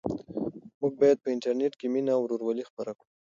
موږ باید په انټرنيټ کې مینه او ورورولي خپره کړو.